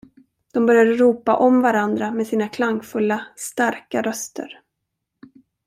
De började ropa om varandra med sina klangfulla, starka röster.